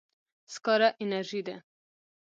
سکاره انرژي ده.